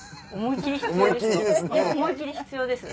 思いきり必要ですよ。